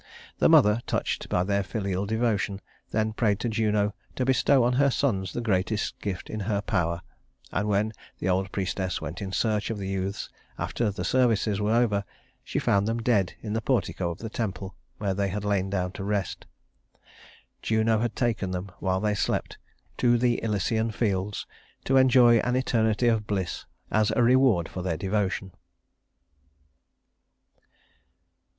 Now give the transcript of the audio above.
The mother, touched by their filial devotion, then prayed to Juno to bestow on her sons the greatest gift in her power; and when the old priestess went in search of the youths, after the services were over, she found them dead in the portico of the temple where they had lain down to rest. Juno had taken them, while they slept, to the Elysian Fields to enjoy an eternity of bliss as a reward for their devotion.